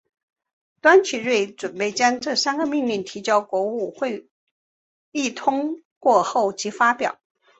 段祺瑞准备将这三个命令提交国务会议通过后即发表。